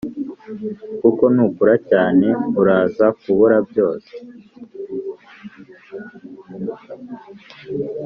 kuko nukurura cyane uraza kubura byose,